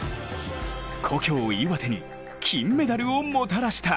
故郷・岩手に金メダルをもたらした。